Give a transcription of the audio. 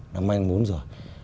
nó manh muốn rồi